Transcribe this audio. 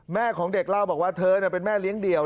แม่ของเด็กเล่าบอกว่าเธอเป็นแม่เลี้ยงเดี่ยว